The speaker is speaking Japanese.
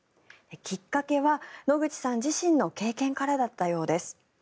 きっかけは野口さん自身の経験からだったようです。